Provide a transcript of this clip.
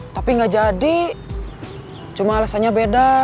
tapi nggak jadi cuma alasannya beda